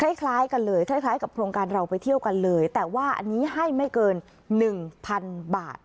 คล้ายกันเลยคล้ายกับโครงการเราไปเที่ยวกันเลยแต่ว่าอันนี้ให้ไม่เกิน๑๐๐๐บาท